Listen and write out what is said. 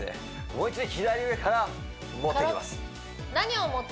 もう一度左上から持ってきます